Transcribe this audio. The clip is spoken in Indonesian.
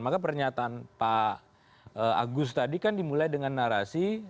maka pernyataan pak agus tadi kan dimulai dengan narasi